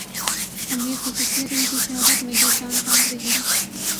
اب یہ خصوصیت ان کی شہرت میں جو چاند ٹانک رہی ہے